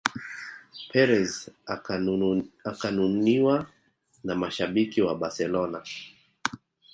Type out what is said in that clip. Perez akanuniwa na mashabiki wa Barcelona